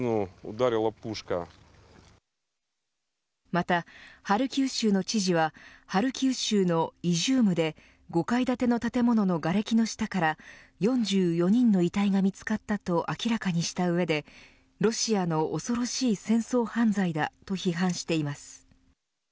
また、ハルキウ州の知事はハルキウ州のイジュームで５階建ての建物のがれきの下から４４人の遺体が見つかったと明らかにした上でロシアの恐ろしい戦争犯罪だと批判しています。